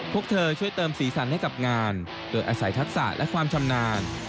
พวกเธอช่วยเติมสีสันให้กับงานโดยอาศัยทักษะและความชำนาญ